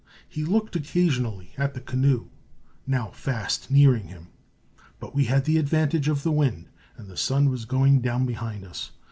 He looked occasionally at the canoe, now fast nearing him; but we had the advantage of the wind, and the sun was going down behind us.